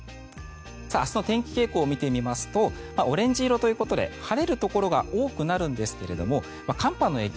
明日の天気傾向を見てみますとオレンジ色ということで晴れるところが多くなるんですが寒波の影響